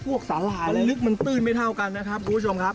สาหร่ายมันลึกมันตื้นไม่เท่ากันนะครับคุณผู้ชมครับ